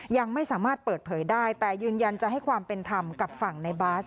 ยังไม่สามารถเปิดเผยได้แต่ยืนยันจะให้ความเป็นธรรมกับฝั่งในบาส